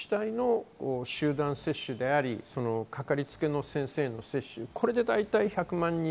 集団接種であり、かかりつけ医の先生の接種、これで大体１００万人。